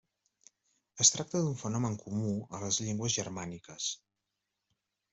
Es tracta d’un fenomen comú a les llengües germàniques.